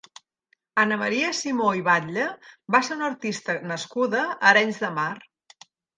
Anna Maria Simó i Batlle va ser una artista nascuda a Arenys de Mar.